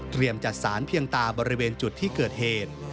จัดสารเพียงตาบริเวณจุดที่เกิดเหตุ